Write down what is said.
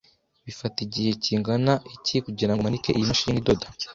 Bifata igihe kingana iki kugirango umanike iyi mashini idoda?